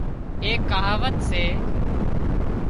ايڪ ڪهاوت سي